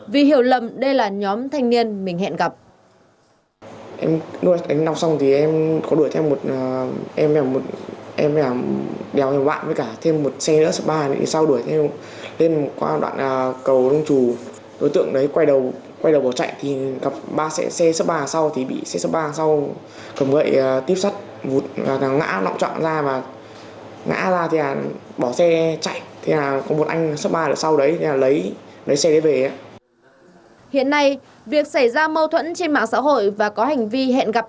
vì hiểu lầm đây là nhóm thanh niên mình hẹn gặp